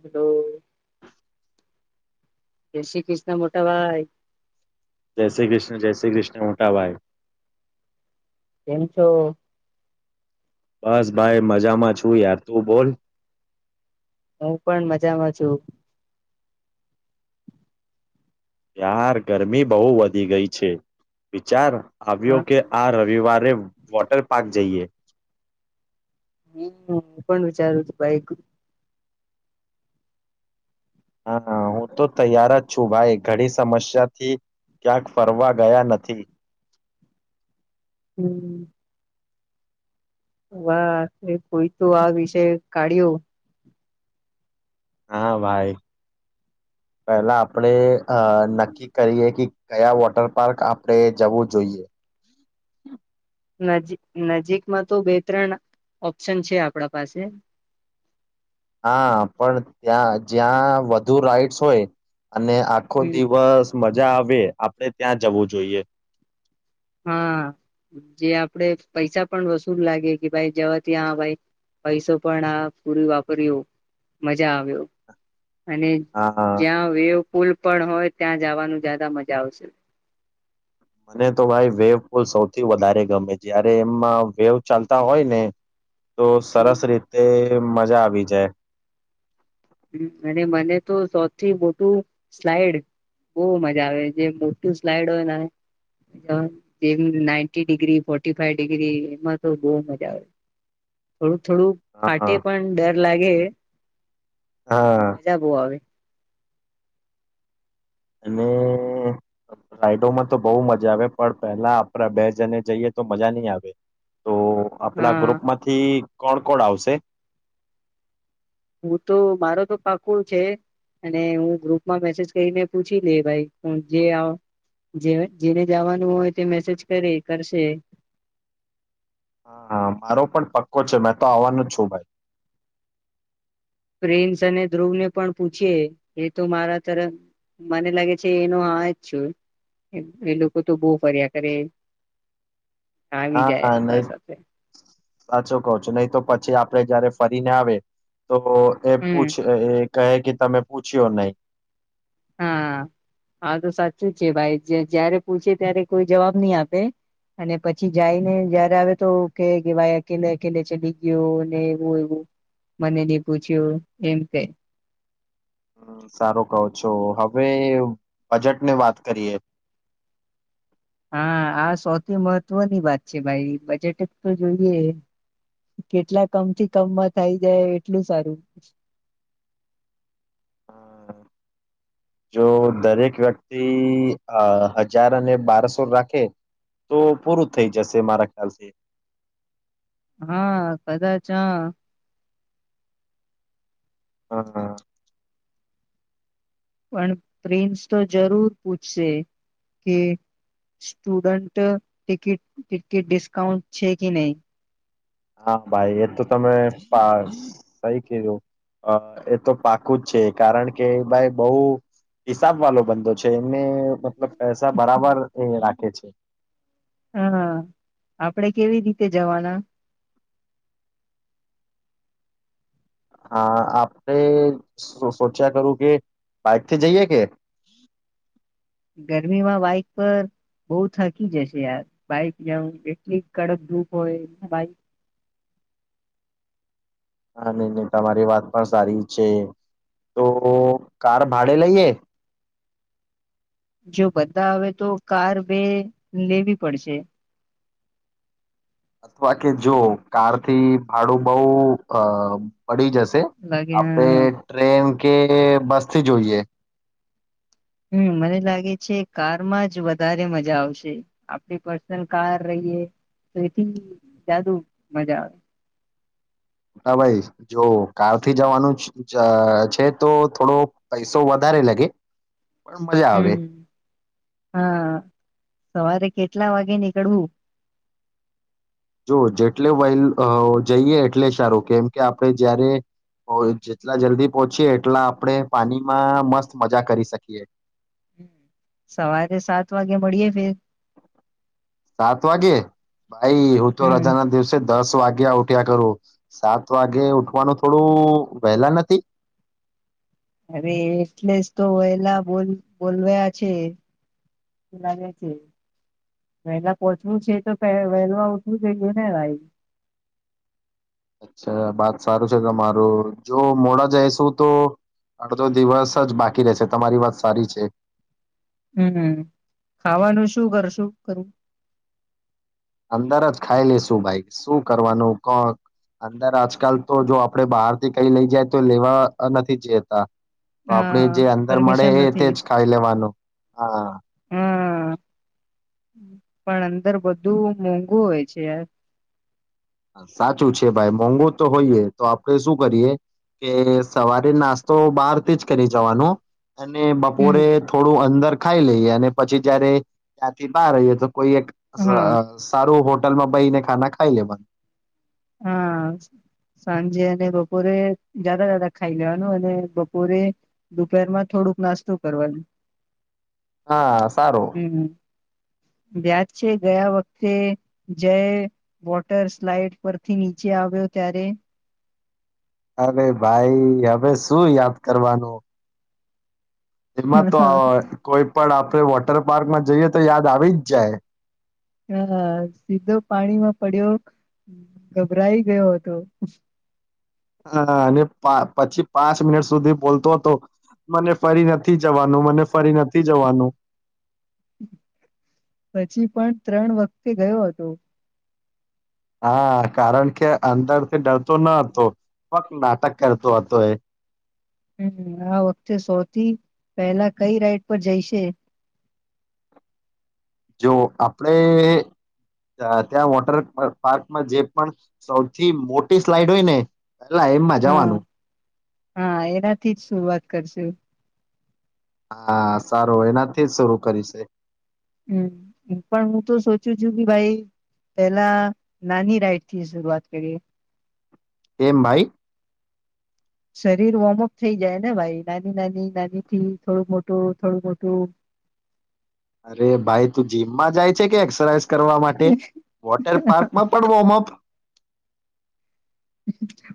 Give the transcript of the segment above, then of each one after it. Hello [unintelligible] જય શ્રી કૃષ્ણ મોટા ભાઈ. જય શ્રી કૃષ્ણ જય શ્રી કૃષ્ણ મોટા ભાઈ. કેમ છો? બસ ભાઈ મજામાં છું યાર તું બોલ. હું પણ મજામાં છું. યાર ગરમી બહુ વધી ગઈ છે. વિચાર આવ્યો હા કે આ રવિવારે વોટર પાર્ક જઈએ. હુ હું પણ વિચારું છું. બાઈક હા હું તો તૈયાર જ છું ભાઈ. ઘડી સમસ્યાથી ક્યાંક ફરવા ગયા નથી. હમ વાહ, કોઈ તો આ વિષય કાઢ્યો. હા, ભાઈ પેલા આપડે અ નક્કી કરીએ કી કયા વોટર પાર્ક આપડે જવું જોઈએ. નજીક નજીકમાં તો બે-ત્રણ ઓપ્શન છે. આપડા પાસે. હા, પણ ત્યાં જ્યાં વધુ રાઈટ્સ હોય અને આખો હમ દિવસ મ જા આવે આપડે ત્યાં જવું જોઈએ. હા, જે આપડે પૈસા પણ વસૂલ લાગે કે ભાઈ જવા ત્યાં ભઈ પૈસો પણ આ પૂરુ વાપયુ. મજા આવ્યુ. અને હા જ્યાં વેવ પુલ પણ હોય ત્યાં જવાનું જયાદા મજા આવશે. મને તો ભાઈ વેવ પુલ સૌથી વધારે ગમે જયારે એમાં વેવ ચાલતા હોય ને તો હમ સરસ રીતે તેમ મજા આવી જાય. હમ્મ અને મને તો સૌથી મોટું સ્લાઈડ બહુ મજા આવે જે મોટું સ્લાઈડ હોય ને જેમ ninety degree, forty five degree એમાં તો બહુ મજા આવે થોડુંક થોડુંક હા ફાટે પણ ડર લાગે. પણ હા મજા બહુ આવે. અને રાઈડોમાં તો બહુ મજા આવે પણ પહેલા આપણા બે જને જઈએ તો મજા નહીં આવે. તો આપણા હા ગ્રુપમાંથી કોણ કોણ આવશે? હું તો મારો તો પાક્કુ છે અને હું ગ્રુપમાં મેસેજ કરીને પૂછી લે ભાઈ હ જે જેને જાવાનું હોય તે મેસેજ કરે કરશે. હા હા મારો પણ પક્કો છે મેં તો આવાનો છું ભાઈ. પ્રિન્સ અને ધ્રુવ ને પણ પૂછીએ એ તો મારા તરફ મને લાગે છે એનુ હા જ છે એ લોકો તો બહુ ફર્યા કરે. આવી હા જાય હા આપણા નઈ સાથે સાચું કઉ છું નઈ તો પછી આપણે જયારે ફરીને આવે તો એ હમ પૂછે એ કહે કે તમે પૂછ્યો નઈ. હા હા તો સાચું જ છે ભાઈ જે જયારે પૂછે ત્યારે કોઈ જવાબ નઈ આપે અને પછી જાઈને જયારે આવે તો કે કે ભાઈ અકેલે અકેલે ચલી ગયો ને એવું એવું મને ની પૂછ્યું ને એમ કેય. હમ્મ, સારું કહો છો હવે બજેટની વાત કરીએ. હા આ સૌથી મહત્વની વાત છે ભાઈ બજેટ તો જોઈએ કેટલા કમ થી કમમાં થાય જાય એટલું સારું. અ, જો દરેક વ્યક્તિ અ હજાર અને બારસો રાખે તો પૂરું થઈ જશે મારા ખ્યાલથી. હા કદાચ આ હા હા. પણ પ્રિન્સ તો જરૂર પૂછશે કે સ્ટુડન્ટ ટિકિટ ટિકિ ડિસ્કાઉન્ટ છે કે નઈ? હા ભાઈ એ તો તમે સા સહી કેવો અ એ તો પાકું જ છે કારણ કે ભાઈ બહુ હિસાબવાળો બંદો છે એમને મતલબ પૈસા બરાબર એ રાખે છે. હા આપણે કેવી રીતે જવાના? હા આપે સોચ્યા કરું કે બાઈકથી જઈએ કે? ગરમીમાં બાઈક પર બહુ થકી જશે યાર, બાઈક જવું એટલી કડક ધુપ હોય બાઈક હા નહીં નહીં તમારી વાત પણ સારી છે તો કાર ભાડે લઈએ? જો બધા આવે તો કાર બે લેવી પડશે. અથવા કે જો કારથી ભાડું બઉ અ પડી જશે લાગે આપણે હમ ટ્રેન કે બસથી જોઈએ? હમ્મ, મને લાગે છે કારમાં જ વધારે મજા આવશે આપણી પર્સનલ કાર રહીએ તો એથી જયાદુ મજા આવે. મોટાભાઈ જો કારથી જવાનું છ ચ છે તો થોડો પૈસો વધારે લગે. હમ્મ. હા સવારે. કેટલા, વાગે નીકળવું? જો જેટલે વઈ જઈએ, એટલે સારું કેમ કે આપડે જયારે, જેટલા જલ્દી પહોંચીએ એટલા આપડે પાણીમાં મસ્ત મજા કરી શકીએ. હમ. સવારે સાત વાગે મળીએે ફેર. સાત વાગે. ભાઈ હું, તો હમ રજા ના દિવસે દસ ત વાગ્યા ઉઠ્યા કરું સાત વાગ્યે, ઉઠવાનું થોડું વહેલા નથી. અરે એટલે જ તો વહેલા બોલું બોલવાયા છે. [unintelligible] વહેલા પોહોચવું છે, તો પેલા વહેલા ઉઠવું, જોઈએ ને ભાઈ છા બાત સારું છે, તમારું જો મોડા જઈશું, તો અડધો દિવસ જ બાકી રહેશે, તમારી વાત સારી છે. હમ્મ, હમ્મ ખાવાનું શું કરશું કરું? અંદરજ ખાઈ લેશું ભાઈ શું કરવાનું અંદર આજકાલ, તો જો આપડે બહાર થી કઈ લઈ જાય, તો લેવા નથી જતા. તો આપડે, હા જે અંદર મળે પરમિશન એ નથી તેજ ખાઈ લેવાનું હા. હા પણ અંદર બધું મોંઘું હોય, છે. સાચું છે, ભાઈ મોંઘુ તો હોઈએ તો આપડે શું કરીએ કે સવારે નાસ્તો બહાર થીજ કરી જવાનો. અને હમ માબોડે થોડું અંદર. ખાઈ લઈએ અને પછી જયારે, ત્યાંથી બહાર રઈએ તો. કોઈ એક હા આ સારું હો. હોલમાં બહી ને ખાના ખાઈ લેવા. હા, સાંજે અને બપોરે જાદા જાદા ખાઈ લેવાનું અને બપોરે, દપરમાં થોડુંક નાસ્તોું કરવાનું. હા સારું. વ્યાજ છે, ગયા વખતે જય વોટર સ્લાઈડ. પરરથી નીચે, આવ્યો ત્યારે. અરે ભાઈ હવે, શું યાદ કરવાનું. એમાં તો કોઈ પણ આપ. આપડ વોટર પાર્કમાં જઈએ, તો યાદ આવી જ જાય. હા હા, સીધો પાણીમાં પડ્યો ગભરાઈ ગયો હતો. હા, અને પા પછી પાંચ મિનિટ સુધી બોલતો હતો મને ફરી નથી, જવાનું મને ફરી નથી જવાનું. પછી, પણ ત્રણ વખતે ગયો હતો. હા, કારણ કે અંદરથી ડરતો ન હતો ફક્ત નાટક કરતો હતો એ. હમ, આ વખતે સૌથી પહેલા કઈ રાઈટ પર જઈશે. જો, આપડે ત્યાં વોટર પાર્કમાં જે પણ સૌથી મોટી સલાઈડ હોય ને. પેલા એમમાં હા જવાનું. હા, એનાથી જ શું વાત કરશું. હા સારું એનાથી જ શરૂ કરી છે. હમ, પણ હું તો સોચું છું, કે ભાઈ પેલા નાની રાઈડ થી શરૂઆત કરીએ. કેમ ભાઈ. શરીર વોર્મઅપ થઈ. જાય ને ભાઈ નાની, નાની, નાની થી, થોડું મોટું, થોડું મોટું. અરે ભાઈ, તું જીમમાં જાય છે, કે એક્સરસાઇઝ. કરવા માટે વોટર, પાર્ક માં પણ વોર્મઅપ.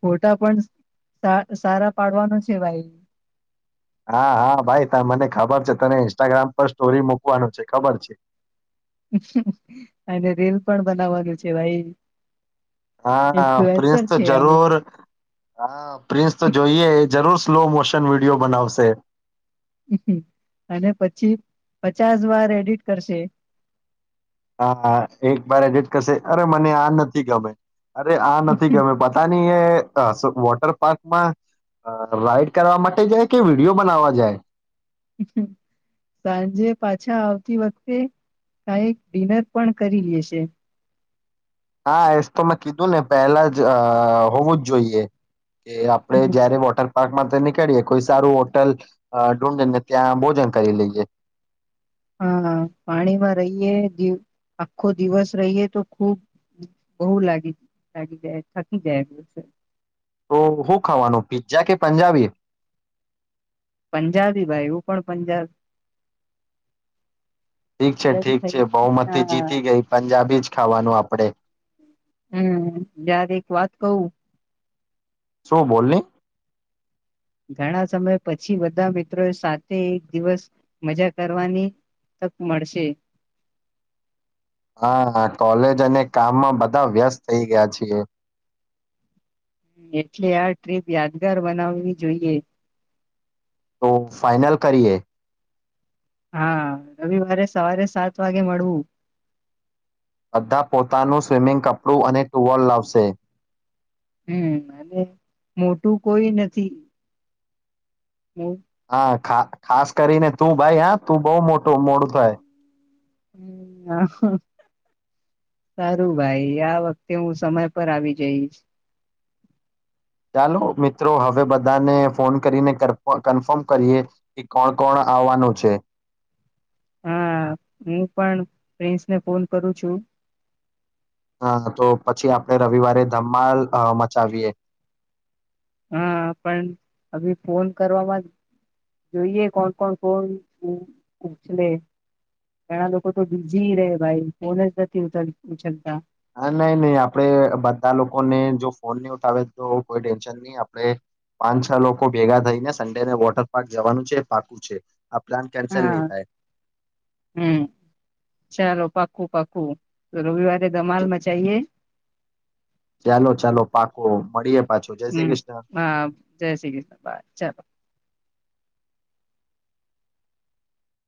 ફોટા પણ સારા પાડવાનો છે, ભાઈ. હા, હા ભાઈ ત મને ખબર છે, તને ઇન્સ્ટાગ્રામ પર સ્ટોરી મુૂકવાનું છે, ખબર છે. અને રીલ પણ બનાવવાનું છે ભાઈ. હા પ્રિન્સ ઇન્ફ્લુએન્સર તો છે અમે. જરૂર હા પ્રિન્સ તો જોઈએ. જરૂર સ્લો મોશન વિડિયો બનાવશે. હ અને પછી પચાસ વાર એડિટ કરશે. હા એક વાર એજ જ કરશે અરે મને આ નથી ગમે. અરે આ નથી ગમે પતા નની એ વોટર પાર્કમાં, રાઈડ કરવા માટે જાય કે વિડીયો બનાવવા જાય. સાંજે પાછા આવતી વખતે કઈક ડિનર પણ કરી લેશે. હા એસ તો મેં કીધું ને પહેલા જ હોવું જ જોઈએ. કે આપડે હમ જયારે વોટર પાર્કમાં તો નીકળીએે કોઈ સારું હોટલ ધૂઢને ત્યાં ભોજન કરી લઈએ. હા પાણીમાં રહીએ આખો દિવસ રહીએ તો ખુબ બહુ લાગી લાગી જાય થકી જાય. તો શું ખાવાનું પી્ઝા કે પંજાબી? પંજાબી ભાઈ હું પણ પંજાબ. ઠીક છે પંજાબી ઠીક છે થઈ બહુમતી હા જીતી ગઈ પંજાબી જ ખાવાનું આપડે. હમ યાર એક વાત કહું શું બોલને. ઘણા સમય પછી બધા મિત્રોએ સાથે એક દિવસ મજા કરવાની તક મળશે. હા કોલેજ અને કામમાં બધા વ્યસ્ત થઈ ગયા છીએ. એટલે આ ટ્રીપ યાદગાર બનાવવી જોઈએ. તો ફાઈનલ કરીએ. હા રવિવારે સવારે સાત વાગે મળવું. બધા પોતાનું સ્વિમિંગ કપડું અને ટુવાલ લાવશે. હમ અ મોટું કોઈ નથી. હમ હા ખા ખાસ કરીને તું ભાઈ હા તું બહુ મોટું મોડું થાય. હ અ, સારું ભાઈ આ વખતે હું સમય પર આવી જઈશ. ચાલો મિત્રો હવે બધાને ફોન કરીને કર કન્ફર્મ કરીએ, કે કોણ કોણ આવવાનુ છે. હા હું પણ પ્રિન્સ ને ફોન કરું છું. હ તો પછી આપણે રવિવારે ધમાલ અ મચાવીએ. હા પણ અભી ફોન કરવામાં જોઈએ કોણ કોણ ફોન ઉ ઉછલે ઘણા લોકો તો બીઝી રેહ ભાઈ ફોન જ નથી ઉ ઉછલતા. હા નહી નહી આપડે બધા લોકોને જો ફોન નહી ઉઠાવે તો કોઈ ટેન્શન નહી આપડે, પાંચ છ લોકો ભેગા થઈને સન્ડેને વોટર પાર્ક જવાનું છે એ પાકું છે. પ્લાન કેન્સલ હા, નહી થાય હમ ચાલો પા પાક્કુ પાક્કુ તો રવિવાર ધમાલ મચાઈએ. ચાલો ચાલો પાક્કુ મળીએે પાછુ જય શ્રી હમ કૃષ્ણ. હા જય શ્રી કૃષ્ણ બાય ચાલો.